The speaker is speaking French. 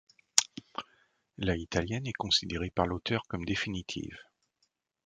La italienne est considérée par l'auteur comme définitive.